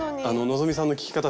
希さんの聞き方